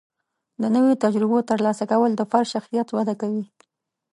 د نوي تجربو ترلاسه کول د فرد شخصیت وده کوي.